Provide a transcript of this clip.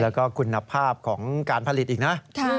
แล้วก็คุณภาพของการผลิตอีกนะ